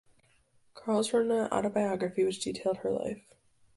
Carles wrote an autobiography which detailed her life.